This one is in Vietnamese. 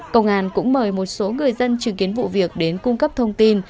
công an cũng mời một số người dân chứng kiến vụ việc đến cung cấp thông tin